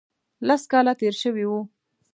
لس کاله تېر شوي وو.